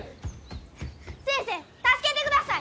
先生助けてください！